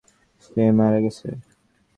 সে মারা গেছে!